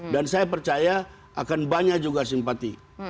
dan saya percaya akan banyak juga simpati